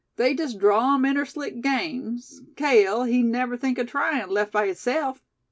They jest draw him inter slick games, Cale, he'd never think o' tryin', left by hisself.